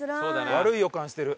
悪い予感してる。